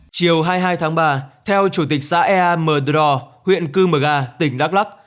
chiều hai mươi hai tháng ba theo chủ tịch xã ea mờ đò huyện cư mờ ga tỉnh đắk lắc